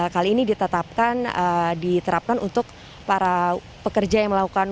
kali ini ditetapkan diterapkan untuk para pekerja yang melakukan